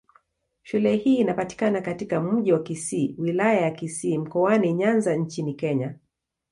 Shule hii inapatikana katika Mji wa Kisii, Wilaya ya Kisii, Mkoani Nyanza nchini Kenya.